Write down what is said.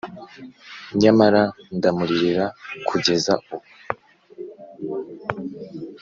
nyamara ndamuririra kugeza ubu;